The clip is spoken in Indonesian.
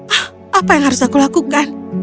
hah apa yang harus aku lakukan